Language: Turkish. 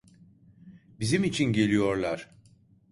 Bizim için geliyorlar.